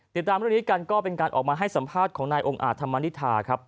ติดตามเรื่องนี้กันก็เป็นการออกมาให้สัมภาษณ์ของนายองค์อาจธรรมนิษฐาครับ